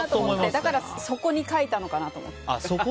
だから底に書いたのかなと思って。